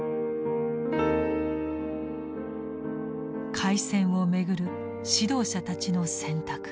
開戦を巡る指導者たちの選択。